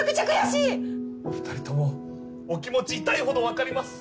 お２人ともお気持ち痛いほど分かります